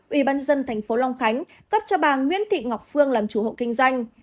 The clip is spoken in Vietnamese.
ubnd tp long khánh cấp cho bà nguyễn thị ngọc phương làm chủ hộ kinh doanh